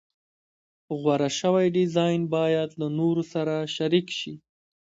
غوره شوی ډیزاین باید له نورو سره شریک شي.